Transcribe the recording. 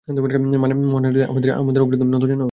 মহান হোরাস এর বলে, আমাদের অগ্রে তুমি নতজানু হবে।